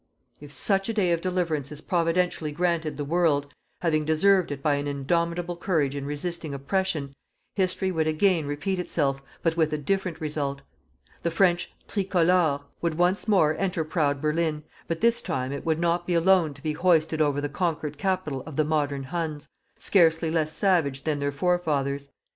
If such a day of deliverance is Providentially granted the world, having deserved it by an indomitable courage in resisting oppression, history would again repeat itself but with a different result. The French "TRICOLORE" would once more enter proud Berlin, but this time it would not be alone to be hoisted over the conquered capital of the modern Huns, scarcely less savage than their forefathers.